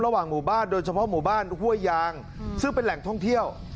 หมู่บ้านโดยเฉพาะหมู่บ้านห้วยยางซึ่งเป็นแหล่งท่องเที่ยว